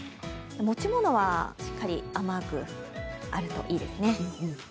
持ち物は、しっかり雨具あるといいですね。